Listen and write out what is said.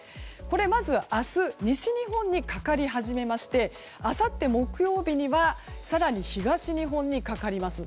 まず明日、西日本にかかり始めましてあさって木曜日には更に東日本にかかります。